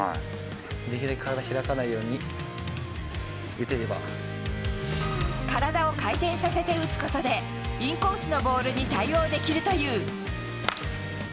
できるだけ体を開かないよう体を回転させて打つことで、インコースのボールに対応できるという。